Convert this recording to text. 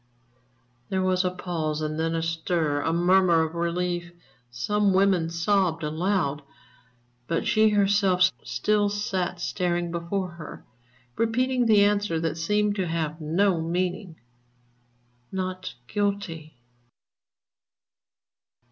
_" There was a pause, and then a stir, a murmur of relief. Some women sobbed aloud. But she herself still sat staring before her, repeating the answer that seemed to have no meaning: "_Not Guilty.